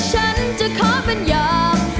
ฉันจะขอเป็นอย่าง